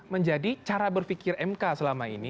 menjadi cara berpikir mk selama ini